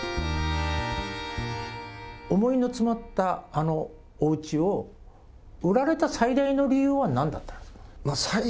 思いの詰まったあのおうちを、売られた最大の理由はなんだったんですか。